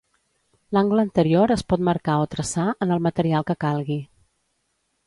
L'angle anterior es pot marcar o traçar en el material que calgui.